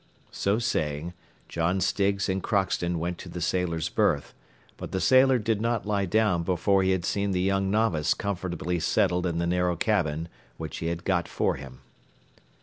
So saying, John Stiggs and Crockston went to the sailor's berth, but the sailor did not lie down before he had seen the young novice comfortably settled in the narrow cabin which he had got for him.